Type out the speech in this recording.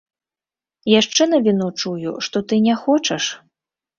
Яшчэ навіну чую, што ты не хочаш?